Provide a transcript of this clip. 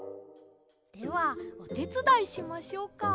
ではおてつだいしましょうか。